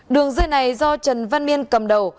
đường dây này do trần văn miên cầm đầu